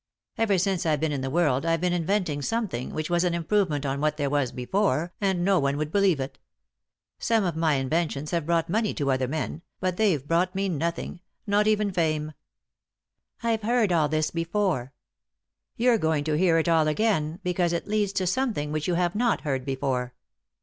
Ever since I've been in the world I've been inventing something which was an improvement on what there was before, and no one would believe it Some of my inventions have brought money to other men, but they've brought me nothing, not even fame." "I've heard all this before." " You're going to hear it all again, because it leads to something which you have not heard before.